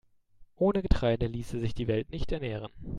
Ohne Getreide ließe sich die Welt nicht ernähren.